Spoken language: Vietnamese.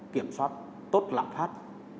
kiểm soát tốt lạm phát